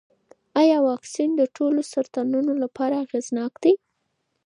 ایا واکسین د ټولو سرطانونو لپاره اغېزناک دی؟